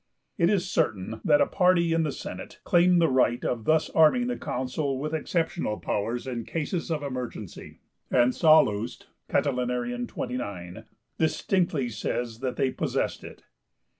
It is certain that a party in the Senate claimed the right of thus arming the Consul with exceptional powers in cases of emergency, and Sallust (Cat. 29) distinctly says that they possessed it.